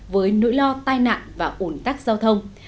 với nỗi lo tai nạn và ủn tắc giao thông